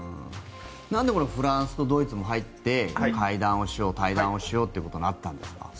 なんでフランスとドイツも入って会談をしよう、対談をしようとなったんですか。